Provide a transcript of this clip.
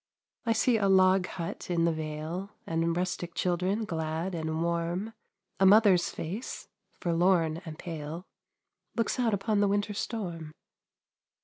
I see a log hut in the vale, And rustic children glad and warm; A mother's face, forlorn and pale, Looks out upon the winter storm.